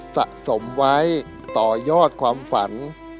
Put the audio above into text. สะสมไว้ต่อยอดความฝัน